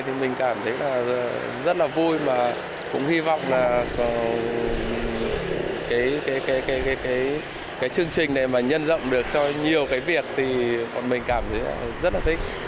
thì mình cảm thấy là rất là vui và cũng hy vọng là cái chương trình này mà nhân rộng được cho nhiều cái việc thì bọn mình cảm thấy rất là thích